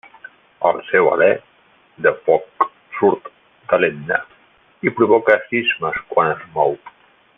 El seu alè de foc surt de l'Etna i provoca sismes quan es mou.